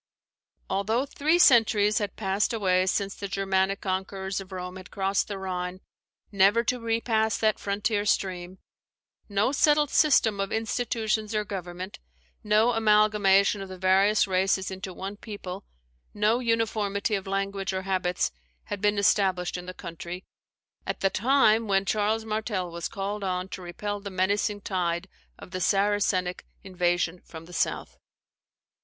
Although three centuries had passed away since the Germanic conquerors of Rome had crossed the Rhine, never to repass that frontier stream, no settled system of institutions or government, no amalgamation of the various races into one people, no uniformity of language or habits, had been established in the country, at the time when Charles Martel was called on to repel the menacing tide of Saracenic invasion from the south.